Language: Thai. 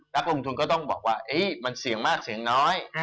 นักลงทุนก็ต้องบอกว่ามันเสี่ยงมากเสี่ยงน้อย